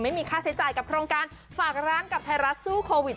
ไม่มีค่าใช้จ่ายกับโครงการฝากร้านกับไทยรัฐสู้โควิด